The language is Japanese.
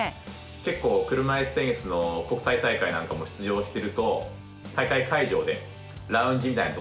結構車いすテニスの国際大会なんかも出場してると大会会場でラウンジみたいな所で流れてたりもしますね。